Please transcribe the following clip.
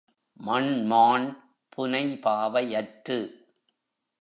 மண்மாண் புனைபாவை யற்று